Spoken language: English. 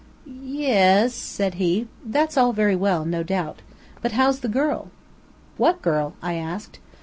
"Ye es," said he, "that's all very well, no doubt. But how's the girl?" "What girl?" I asked.